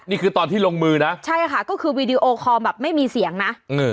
นี่คือตอนที่ลงมือนะใช่ค่ะก็คือวีดีโอคอลแบบไม่มีเสียงนะ